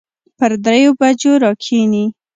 پر دريو بجو راکښېني.